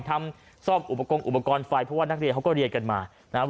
ทำซ่อมอุปกรณ์ไฟเพราะว่านักเรียนเขาก็เรียนกันมา